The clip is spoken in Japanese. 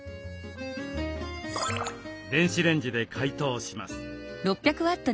電子レンジで解凍します。